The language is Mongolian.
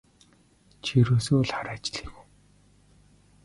Чи ерөөсөө л хар ажлын хүн.